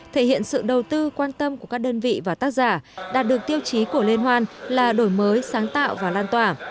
thể hiện sự đầu tư quan tâm của các đơn vị và tác giả đạt được tiêu chí của liên hoan là đổi mới sáng tạo và lan tỏa